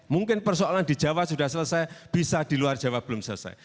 mungkin persoalan di jawa sudah selesai bisa di luar jawa belum selesai